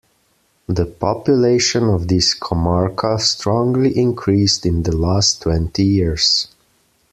The population of this comarca strongly increased in the last twenty years.